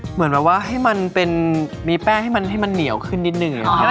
เหมือนแบบว่าให้มันเป็นมีแป้งให้มันให้มันเหนียวขึ้นนิดนึง